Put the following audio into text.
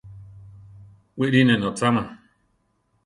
Wiʼri ne notzama.